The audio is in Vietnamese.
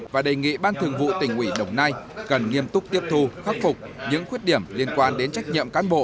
và đề nghị ban thường vụ tỉnh ủy đồng nai cần nghiêm túc tiếp thu khắc phục những khuyết điểm liên quan đến trách nhiệm cán bộ